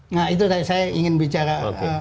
nah itu tadi saya ingin bicara